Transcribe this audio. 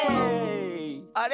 あれ？